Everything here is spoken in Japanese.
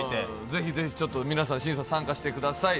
ぜひぜひ、皆さん、審査に参加してください。